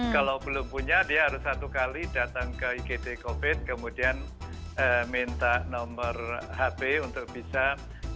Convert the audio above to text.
kalau belum punya dia harus satu kali datang ke igd covid kemudian minta nomor hp untuk bisa